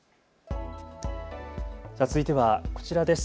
続いては、こちらです。